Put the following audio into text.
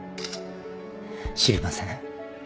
知りません。